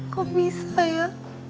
kok bisa ya